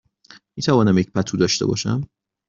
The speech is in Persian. می توانم یک پتو داشته باشم؟